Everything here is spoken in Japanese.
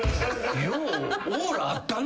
ようオーラあったな。